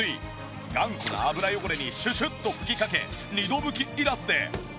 頑固な油汚れにシュシュッと吹きかけ２度拭きいらずではい